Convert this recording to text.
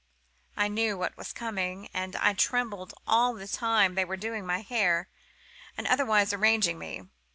"I knew what was coming, and I trembled all the time they were doing my hair, and otherwise arranging me.